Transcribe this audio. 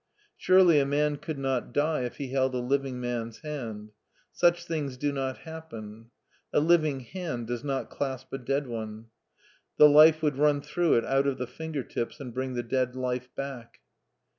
Surely a man could not die if he held a living man's hand. Such things do not happen. A living hand does not clasp a dead one. The life would run through it out of the finger tips and bring the dead life back.